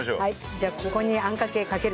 じゃあここにあんかけかける。